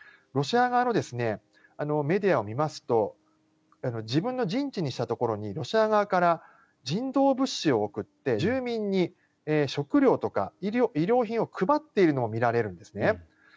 ロシア側のメディアを見ますと自分の陣地にしたところにロシア側から人道物資を送って住民に食料とか衣料品を配っているのが見られるんですね。